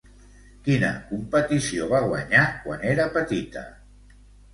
Quina competició va guanyar quan era petita?